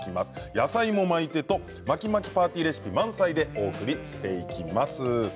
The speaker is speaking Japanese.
野菜も巻いてと巻き巻きパーティーレシピ満載でお送りしていきます。